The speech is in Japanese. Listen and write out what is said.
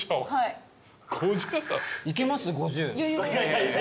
いやいや。